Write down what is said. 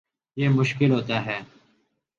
یہ مشکل ہوتا ہے